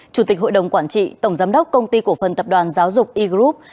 chủ tịch hội đồng quản trị tổng giám đốc công ty cổ phần tập đoàn giáo dục e group